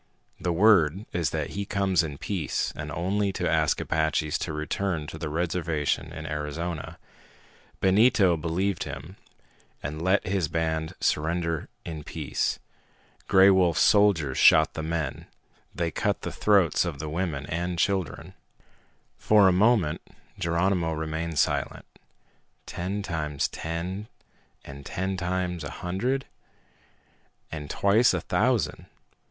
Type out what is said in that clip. The word is that he comes in peace and only to ask Apaches to return to the reservation in Arizona. Benito believed him and let his band surrender in peace. Gray Wolf's soldiers shot the men! They cut the throats of the women and children!" For a moment Geronimo remained silent. Ten times ten, and ten times a hundred, and twice a thousand.